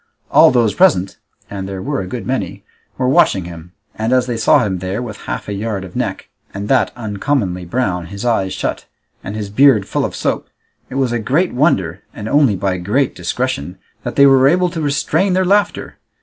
All those present, and there were a good many, were watching him, and as they saw him there with half a yard of neck, and that uncommonly brown, his eyes shut, and his beard full of soap, it was a great wonder, and only by great discretion, that they were able to restrain their laughter.